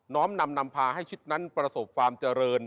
้อมนำนำพาให้ชุดนั้นประสบความเจริญ